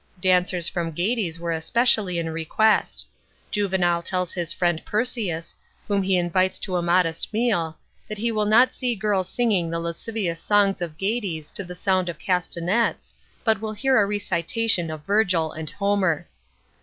Dancers from Gades were especially in request. Juvenal tells his friend Persicus, whom h^ invites to a modest meal, that he will not see girls singing the lascivious songs of Hades to the sound of castai.ets, but will hear a recitation of Virgil or Homer.